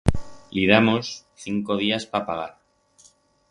Li damos cinco días pa pagar.